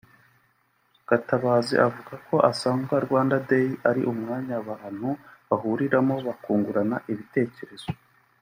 Gatabazi avuga ko asanga Rwanda Day ari umwanya abantu bahuriramo bakungurana ibitekerezo